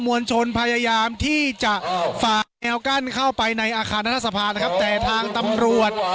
วลชนพยายามที่จะฝ่าแนวกั้นเข้าไปในอาคารรัฐสภานะครับแต่ทางตำรวจ